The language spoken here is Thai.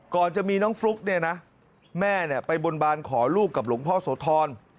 ก่อนจะมีน้องฟลุ๊กเนี่ยนะแม่ไปบนบานขอลูกกับหลวงพ่อโสธร